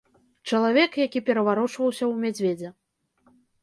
Чалавек, які пераварочваўся ў мядзведзя.